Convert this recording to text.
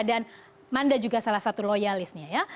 dan manda juga salah satu loyalisnya ya